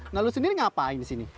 nah lu sendiri ngapain di sini